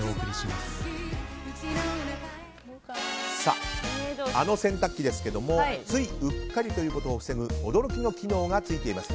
あの洗濯機ですがついうっかりということを防ぐ驚きの機能がついています。